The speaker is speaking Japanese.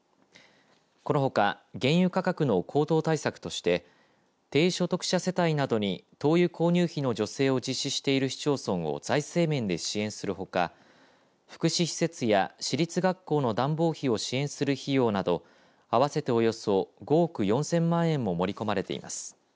このほか原油価格の高騰対策として低所得者世帯などに灯油購入費の助成を実施している市町村を財政面で支援するほか福祉施設や私立学校の暖房費を支援する費用など合わせておよそ５億４０００万円を盛り込まれています。